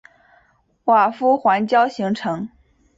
瓦夫环礁形成。